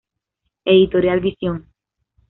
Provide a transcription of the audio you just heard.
Editorial Visión.